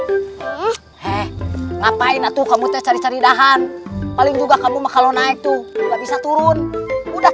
hehehe ngapain aku kamu cari cari dahan paling juga kamu kalau naik tuh nggak bisa turun udah